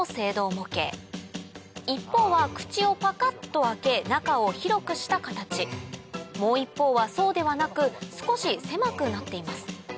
模型一方は口をパカっと開け中を広くした形もう一方はそうではなく少し狭くなっています